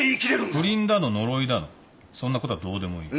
不倫だの呪いだのそんなことはどうでもいい。